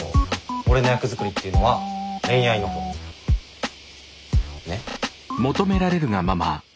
俺の役作りっていうのは恋愛のほう。ね？